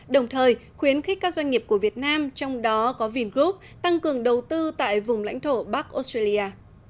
đồng thời khuyến khích các doanh nghiệp của việt nam trong đó có vingroup tăng cường đầu tư tại vùng lãnh thổ bắc australia